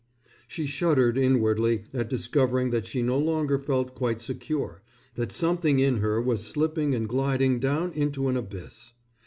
She shuddered inwardly at discovering that she no longer felt quite secure, that something in her was slipping and gliding down into an abyss.